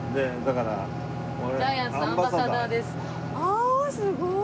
あすごい！